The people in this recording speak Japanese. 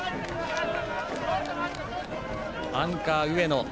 アンカー、上野。